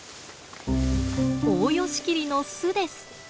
オオヨシキリの巣です。